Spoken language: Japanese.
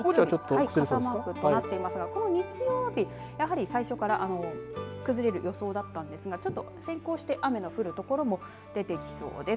高知は傘マークとなっていますがこの日曜日、最初から崩れる予想だったんですがちょっと先行して雨の降る所も出てきそうです。